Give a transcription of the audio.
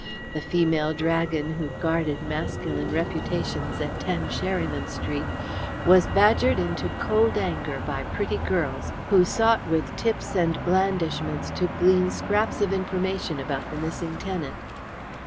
The female dragon who guarded masculine reputations at 10, Sherryman Street, was badgered into cold anger by pretty girls, who sought with tips and blandishments to glean scraps of information about the missing tenant.